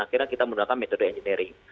akhirnya kita menggunakan metode engineering